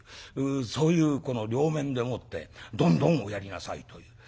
そういうこの両面でもって「どんどんおやりなさい」という。